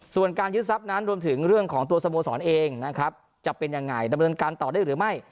ส่วนการยึดทรัพย์นั้นรวมถึงเรื่องของตัวสโมสรเองนะครับจะเป็นยังไงดำเนินการต่อได้หรือไม่